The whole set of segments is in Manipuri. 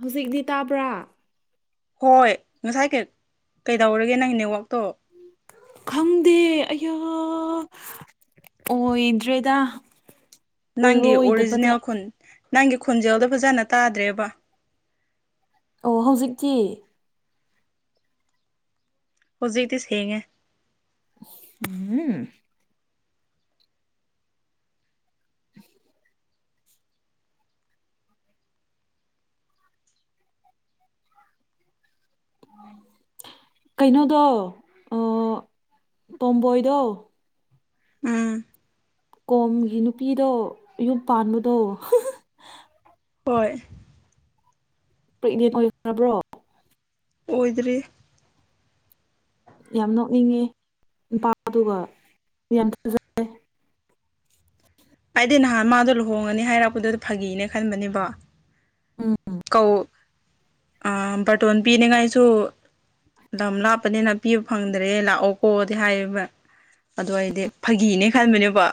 ꯍꯧꯖꯤꯛꯇꯤ ꯇꯥꯕ꯭ꯔꯥ ꯍꯣꯏ ꯉꯁꯥꯏ ꯀꯩ ꯀꯩꯗꯧꯔꯒꯦ ꯅꯪꯒꯤ ꯅꯦꯠꯋꯥꯛꯇꯣ ꯈꯪꯗꯦ ꯑꯩꯌꯥ ꯑꯣꯏꯗ꯭ꯔꯦꯗ ꯅꯪꯒꯤ ꯑꯣꯏꯔꯣꯏꯗꯕꯗ ꯑꯣꯔꯤꯖꯤꯅꯦꯜ ꯈꯨꯟ ꯅꯪꯒꯤ ꯈꯣꯟꯖꯦꯜꯗꯣ ꯐꯖꯅ ꯇꯥꯗ꯭ꯔꯦꯕ ꯑꯣ ꯍꯧꯖꯤꯛꯇꯤ ꯍꯧꯖꯤꯛꯇꯤ ꯁꯦꯡꯉꯦ꯫ ꯎꯝ [inaudible] ꯀꯩꯅꯣꯗꯣ ꯑꯥ ꯇꯣꯝꯕꯣꯏꯗꯣ ꯎꯝ ꯀꯣꯝꯒꯤ ꯅꯨꯄꯤꯗꯣ ꯌꯨꯝ ꯄꯥꯟꯕꯗꯣ ꯍꯣꯏ ꯄ꯭ꯔꯦꯛꯅꯦꯟꯠ ꯑꯣꯏꯈ꯭ꯔꯕ꯭ꯔꯣ ꯑꯣꯏꯗ꯭ꯔꯤ ꯌꯥꯝ ꯅꯣꯛꯅꯤꯡꯉꯦ ꯅꯨꯄꯥꯗꯨꯒ ꯌꯥꯝ ꯐꯖ ꯑꯩꯗꯤ ꯅꯍꯥꯟ ꯃꯥꯗꯣ ꯂꯨꯍꯣꯡꯉꯅꯤ ꯍꯥꯏꯔꯛꯄꯗꯨꯗ ꯐꯥꯒꯤꯅꯦ ꯈꯟꯕꯅꯦꯕ ꯎꯝ ꯎꯝ ꯀꯧ ꯑ ꯕꯥꯔꯇꯣꯟ ꯄꯤꯅꯤꯡꯉꯥꯏꯁꯨ ꯂꯝ ꯂꯥꯞꯄꯅꯤꯅ ꯄꯤꯕ ꯐꯪꯗ꯭ꯔꯦ ꯂꯥꯛꯑꯣ ꯀꯣꯗꯤ ꯍꯥꯏꯌꯦꯕ ꯑꯗꯨ ꯑꯩꯗꯤ ꯐꯥꯒꯤꯅꯦ ꯈꯟꯕꯅꯦꯕ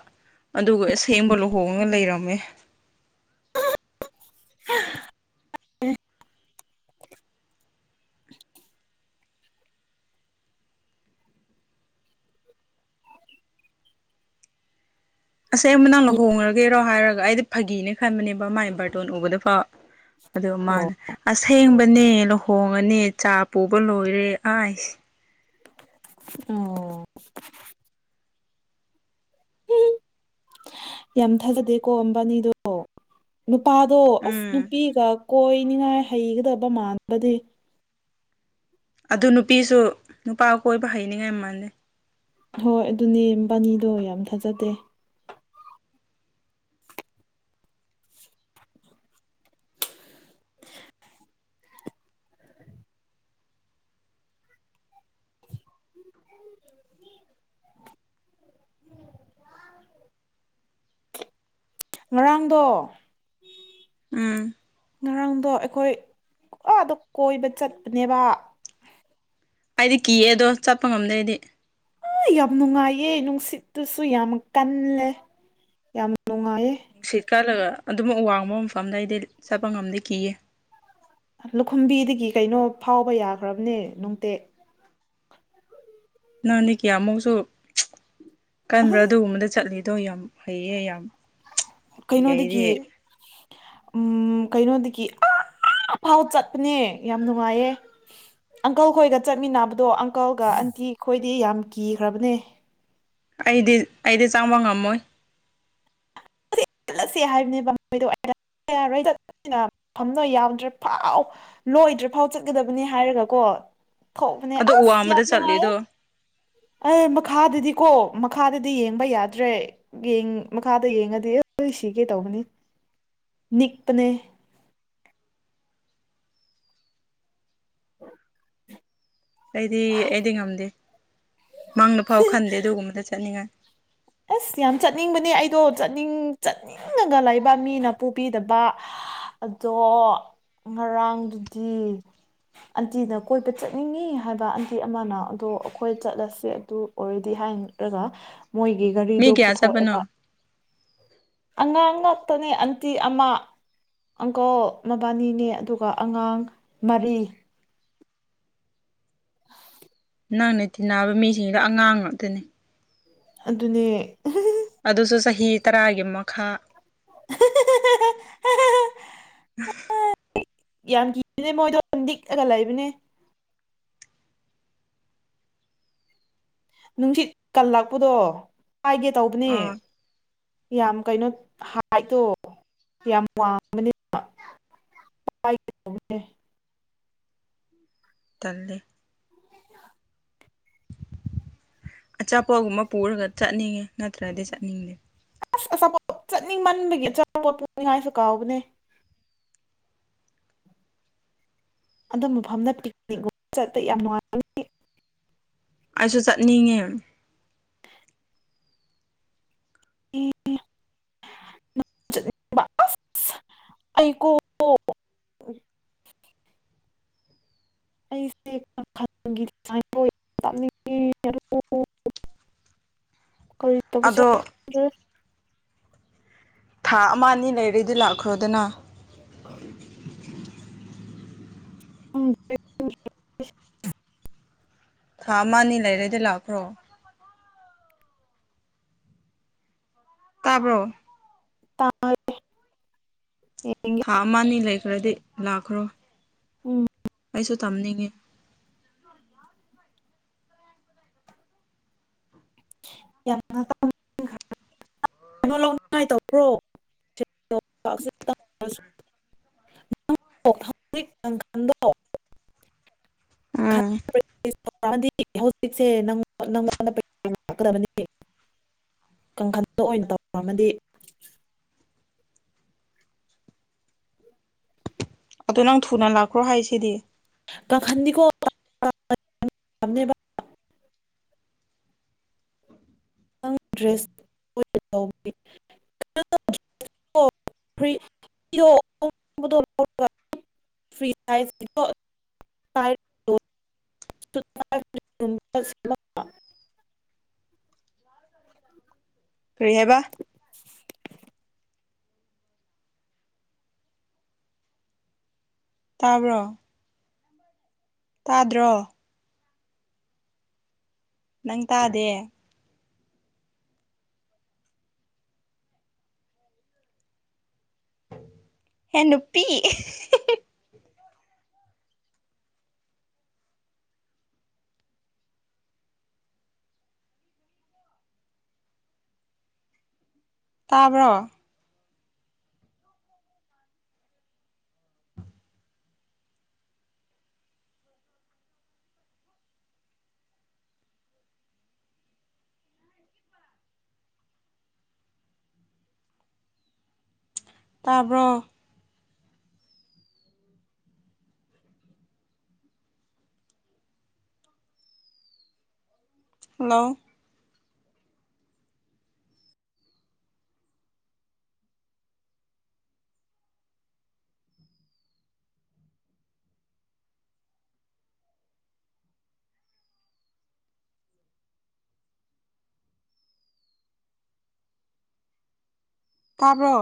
ꯑꯗꯨꯒ ꯑꯁꯦꯡꯕ ꯂꯨꯍꯣꯡꯉꯒ ꯂꯩꯔꯝꯃꯦ [unintelligible] ꯑꯁꯦꯡꯕ ꯅꯪ ꯂꯨꯍꯣꯡꯉꯒꯦꯔꯣ ꯍꯥꯏꯔꯒ ꯑꯩꯗꯤ ꯐꯥꯒꯤꯅꯦ ꯈꯟꯕꯅꯦꯕ ꯃꯥꯥꯏ ꯕꯥꯔꯇꯣꯟ ꯎꯕꯗ ꯐꯥꯎ ꯑꯗꯨꯒ ꯃꯥꯅ ꯑꯁꯦꯡꯕꯅꯦ ꯂꯨꯍꯣꯡꯉꯅꯤ ꯆꯥ ꯄꯨꯕ ꯂꯣꯏꯔꯦ ꯑꯥꯢꯁ ꯑꯣ ꯌꯥꯝ ꯊꯥꯖꯗꯦꯀꯣ ꯃꯕꯥꯅꯤꯗꯣ ꯅꯨꯄꯥꯗꯣ ꯑꯁ ꯎꯝ ꯅꯨꯄꯤꯒ ꯀꯣꯏꯅꯤꯡꯉꯥꯏ ꯍꯩꯒꯗꯕ ꯃꯥꯟꯕꯗꯤ ꯑꯗꯨ ꯅꯨꯄꯤꯁꯨ ꯅꯨꯄꯥ ꯀꯣꯏꯕ ꯍꯩꯅꯤꯡꯉꯥꯏ ꯃꯥꯟꯗꯦ ꯍꯣꯏ ꯑꯗꯨꯅꯦ ꯃꯕꯥꯅꯤꯗꯣ ꯌꯥꯝ ꯊꯥꯖꯗꯦ ꯉꯔꯥꯡꯗꯣ ꯎꯝ ꯉꯔꯥꯡꯗꯣ ꯑꯩꯈꯣꯏ ꯑꯥꯗ ꯀꯣꯏꯕ ꯆꯠꯄꯅꯦꯕ ꯑꯩꯗꯤ ꯀꯤꯌꯦ ꯑꯗꯣ ꯆꯠꯄ ꯉꯝꯗꯦ ꯑꯩꯗꯤ ꯑ ꯌꯥꯝ ꯅꯨꯡꯉꯥꯏꯌꯦ ꯅꯨꯡꯁꯤꯠꯇꯨꯁꯨ ꯌꯥꯝ ꯀꯜꯂꯦ ꯌꯥꯝ ꯅꯨꯡꯉꯥꯏꯌꯦ ꯁꯤꯠ ꯀꯜꯂꯒ ꯑꯗꯨꯃꯨꯛ ꯋꯥꯡꯕ ꯃꯐꯝꯗ ꯑꯩꯗꯤ ꯆꯠꯄ ꯉꯝꯗꯦ ꯀꯤꯌꯦ ꯂꯨꯈꯨꯝꯕꯤꯗꯒꯤ ꯀꯩꯅꯣ ꯐꯥꯎꯕ ꯌꯥꯈ꯭ꯔꯕꯅꯦ ꯅꯨꯡꯇꯦꯛ ꯅꯪꯗꯤ ꯀꯌꯥ ꯃꯨꯛꯁꯨ ꯀꯟꯕ꯭ꯔꯥ ꯑꯗꯨꯒꯨꯝꯕꯗ ꯆꯠꯂꯤꯗꯣ ꯌꯥꯝ ꯍꯩꯌꯦ ꯌꯥꯝ ꯀꯤ ꯑꯩꯗꯤ ꯀꯩꯅꯣꯗꯒꯤ ꯎꯝ ꯀꯩꯅꯣꯗꯒꯤ ꯑ ꯑꯐꯥꯎ ꯆꯠꯄꯅꯦ ꯌꯥꯝ ꯅꯨꯡꯉꯥꯏꯌꯦ ꯑꯪꯀꯜ ꯈꯣꯏꯒ ꯆꯠꯃꯤꯟꯅꯕꯗꯣ ꯑꯪꯀꯜꯒ ꯑꯟꯇꯤ ꯈꯣꯏꯗꯤ ꯌꯥꯝ ꯀꯤꯈ꯭ꯔꯕꯅꯦ ꯑꯩꯗꯤ ꯑꯩꯗꯤ ꯆꯪꯕ ꯉꯝꯃꯣꯏ ꯆꯜꯂꯁꯤ ꯍꯥꯏꯕꯅꯦ ꯃꯣꯏꯗꯣ ꯌꯧꯗ꯭ꯔꯦ ꯐꯥꯎ ꯂꯣꯏꯗ꯭ꯔꯤ ꯐꯥꯎ ꯆꯠꯀꯗꯕꯅꯤ ꯍꯥꯏꯔꯒ ꯀꯣ ꯊꯣꯛꯕꯅꯦ ꯑꯗꯨ ꯑꯁ ꯌꯥꯝ ꯋꯥꯡꯃꯗ ꯅꯨꯡꯉꯥꯏ ꯆꯠꯂꯤꯗꯣ ꯑꯦ ꯃꯈꯥꯗꯗꯤꯀꯣ ꯃꯈꯥꯗꯗꯤ ꯌꯦꯡꯕ ꯌꯥꯗ꯭ꯔꯦ ꯌꯦꯡ ꯃꯈꯥꯗ ꯌꯦꯡꯉꯗꯤ ꯑꯦ ꯁꯤꯒꯦ ꯀꯩ ꯇꯧꯕꯅꯦ ꯅꯤꯛꯄꯅꯦ ꯑꯩꯗꯤ ꯑꯩꯗꯤ ꯉꯝꯗꯦ ꯃꯪꯗ ꯐꯥꯎ ꯈꯟꯗꯦ ꯑꯗꯨꯒꯨꯝꯕꯗ ꯆꯠꯅꯤꯡꯉꯥꯏ ꯑꯁ ꯌꯥꯝ ꯆꯠꯅꯤꯡꯕꯅꯦ ꯑꯩꯗꯣ ꯆꯠꯅꯤꯡ ꯆꯠꯅꯤꯡ ꯅꯤꯡꯉꯒ ꯂꯩꯕ ꯃꯤꯅ ꯄꯨꯕꯤꯗꯕ ꯑꯗꯣ ꯉꯔꯥꯡꯗꯨꯗꯤ ꯑꯟꯇꯤꯅ ꯀꯣꯏꯕ ꯆꯠꯅꯤꯡꯉꯤ ꯍꯥꯏꯕ ꯑꯟꯇꯤ ꯑꯃꯅ ꯑꯗꯣ ꯑꯩꯈꯣꯏ ꯆꯠꯂꯁꯦ ꯑꯗꯨ ꯑꯣꯏꯔꯗꯤ ꯍꯥꯏꯔꯒ ꯃꯣꯏꯒꯤ ꯒꯥꯔꯤꯗꯣ ꯃꯤ ꯀꯌꯥ ꯄꯨꯊꯣꯛꯑꯦꯕ ꯆꯠꯄꯅꯣ ꯑꯉꯥꯡ ꯉꯥꯛꯇꯅꯦ ꯑꯟꯇꯤ ꯑꯃ ꯑꯪꯀꯜ ꯃꯕꯥꯅꯤꯅꯦ ꯑꯗꯨꯒ ꯑꯉꯥꯡ ꯃꯔꯤ ꯅꯪꯅ ꯇꯤꯟꯅꯕ ꯃꯤꯁꯤꯡꯗꯣ ꯑꯉꯥꯡ ꯉꯥꯛꯇꯅꯤ ꯑꯗꯨꯅꯦ ꯑꯗꯨꯁꯨ ꯆꯍꯤ ꯇꯔꯥꯒꯤ ꯃꯈꯥ ꯍꯦꯒ [inaudible] ꯌꯥꯝ ꯀꯤꯕꯅꯦ ꯃꯣꯏꯗꯣ ꯑꯗꯨꯝ ꯅꯤꯛꯑꯒ ꯂꯩꯕꯅꯦ ꯅꯨꯡꯁꯤꯠ ꯀꯜꯂꯛꯄꯗꯣ ꯀꯥꯏꯒꯦ ꯇꯧꯕꯅꯦ ꯑꯥ ꯌꯥꯝ ꯀꯩꯅꯣ ꯍꯥꯏꯗꯣ ꯌꯥꯝ ꯋꯥꯡꯕꯅꯤ ꯅꯦ [inaudible] ꯇꯜꯂꯦ ꯑꯆꯥꯄꯣꯠꯒꯨꯝꯕ ꯄꯨꯔꯒ ꯆꯠꯅꯤꯡꯉꯦ ꯅꯠꯇ꯭ꯔꯗꯤ ꯆꯠꯅꯤꯡꯗꯦ ꯑꯁ ꯑꯆꯥꯄꯣꯠ ꯆꯠꯅꯤꯡ ꯃꯟꯕꯒꯤ ꯑꯆꯥꯄꯣꯠ ꯄꯣꯛꯅꯤꯡꯉꯥꯏꯁꯨ ꯀꯥꯎꯕꯅꯦ ꯑꯗꯨꯝ ꯃꯐꯝꯗ ꯄꯤꯛꯅꯤꯒꯨꯝꯕ ꯆꯠꯄ ꯌꯥꯝ ꯅꯨꯡꯉꯥꯏ ꯑꯩꯁꯨ ꯆꯠꯅꯤꯡꯉꯦ ꯑꯩꯀꯣ [inaudible] ꯑꯩꯁꯦ ꯇꯅꯤꯡꯉꯦ [inaudible] ꯀ ꯇꯁ ꯑꯗꯣ [inaudible] ꯊꯥ ꯑꯃ ꯑꯅꯤ ꯂꯩꯔꯗꯤ ꯂꯥꯛꯈ꯭ꯔꯣꯗꯅ ꯎ [inaudible] ꯊꯥ ꯑꯃ ꯑꯅꯤ ꯂꯩꯥꯏꯔꯗꯤ ꯂꯥꯛꯈ꯭ꯔꯣ ꯇꯥꯕ꯭ꯔꯣ ꯇꯥꯢ ꯌꯦꯡꯒꯦ ꯊꯥ ꯑꯃ ꯑꯅꯤ ꯂꯩꯈ꯭ꯔꯗꯤ ꯂꯥꯛꯈ꯭ꯔꯣ ꯎꯝ ꯑꯩꯁꯨ ꯇꯝꯅꯤꯡꯉꯤ ꯌꯥꯝ [inaudible] ꯀꯩꯅꯣ ꯂꯧꯅꯤꯡꯉꯥꯏ ꯇꯧꯕ꯭ꯔꯣ ꯅꯪ ꯍꯧꯖꯤꯛ ꯀꯪꯈꯥꯟꯗꯣ ꯎꯝ ꯗꯤ ꯍꯧꯖꯤꯛꯁꯦ ꯅꯉꯣꯟꯗ ꯂꯥꯛꯀꯗꯕꯅꯤ [inaudible] ꯀꯥꯡꯈꯟꯇꯣ ꯑꯣꯏꯅ ꯇꯧ ꯄꯥꯝꯃꯗꯤ ꯎ [inaudible] ꯑꯗꯣ ꯅꯪ ꯊꯨꯅ ꯂꯥꯛꯈ꯭ꯔꯣ ꯍꯥꯏꯁꯤꯗꯤ ꯀꯈꯥꯟꯗꯤ ꯀꯣ ꯊꯝꯃꯦ [inaudible] ꯈꯤꯇꯪ ꯗ꯭ꯔꯦꯁ [inaudible] [inaudible] ꯐꯔꯤ [inaudible] [inaudible] ꯀꯔꯤ ꯍꯥꯏꯕ ꯇꯥꯕ꯭ꯔꯣ ꯇꯥꯗ꯭ꯔꯣ ꯅꯪ ꯇꯥꯗꯦ ꯍꯦ ꯅꯨꯄꯤ ꯇꯥꯕ꯭ꯔꯣ ꯇꯥꯕ꯭ꯔꯣ ꯍꯜꯂꯣ ꯇꯥꯕ꯭ꯔꯣ